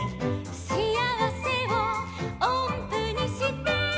「しあわせをおんぷにして」